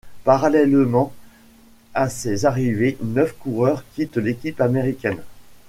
Parallèlement à ces arrivées, neuf coureurs quittent l'équipe américaine.